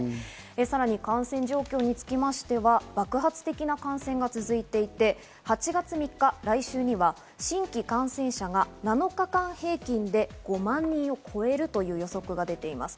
さらに感染状況につきましては、爆発的な感染が続いていて、８月３日、来週には新規感染者が７日間平均で５万人を超えるという予測が出ています。